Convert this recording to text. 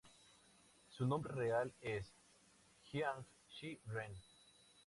Su nombre real es Jiang Xi Ren.